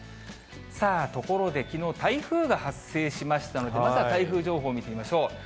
さあ、ところできのう、台風が発生しましたので、まずは台風情報を見てみましょう。